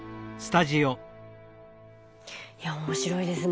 いや面白いですね。